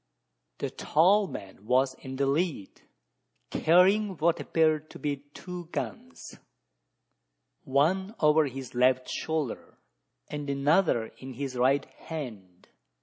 The tall man was in the lead, carrying what appeared to be two guns one over his left shoulder, and another in his right hand.